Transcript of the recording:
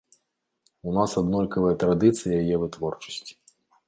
У нас аднолькавыя традыцыі яе вытворчасці.